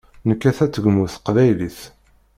Nekkat ad tegmu teqbaylit.